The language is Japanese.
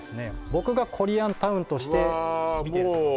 僕がコリアンタウンとして見てるうわ